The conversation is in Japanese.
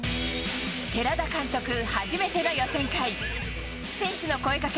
寺田監督、初めての予選会。